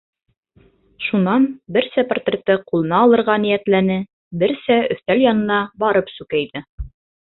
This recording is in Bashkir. Шунан берсә портретты ҡулына алырға ниәтләне, берсә өҫтәл янына барып сүкәйҙе.